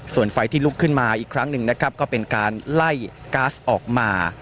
ส่วนไฟที่ลุกขึ้นมาอีกครั้งหนึ่งนะครับก็เป็นการไล่ก๊าซออกมา